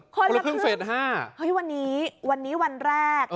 คนละครึ่งเฟส๕เฮ้ยวันนี้วันนี้วันแรก